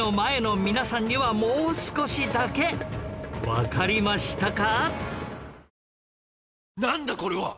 わかりましたか？